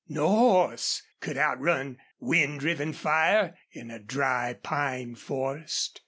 No horse could outrun wind driven fire in a dry pine forest.